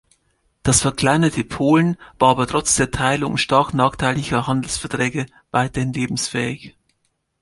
Das verkleinerte Polen war aber trotz der Teilung und stark nachteiliger Handelsverträge weiterhin lebensfähig.